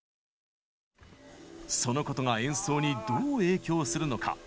そのことが演奏にどう影響するのか。